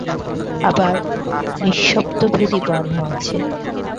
আবার, নিঃশব্দভেদী বাণও আছে।